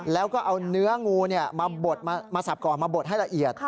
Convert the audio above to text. แล้วก็เอาเนื้องูมาสับก่อนมาบดให้ละเอียด